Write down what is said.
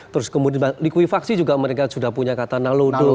terus kemudian likuifaksi juga mereka sudah punya kata nalodo